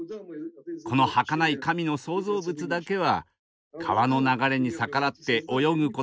このはかない神の創造物だけは川の流れに逆らって泳ぐことができます。